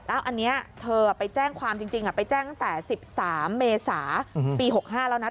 อันนี้เธอไปแจ้งความจริงไปแจ้งตั้งแต่๑๓เมษาปี๖๕แล้วนะ